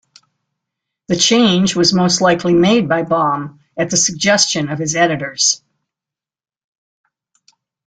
The change was most likely made by Baum at the suggestion of his editors.